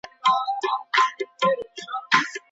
ايا د قتل په مقابل کي نجلۍ ورکول حرام دي؟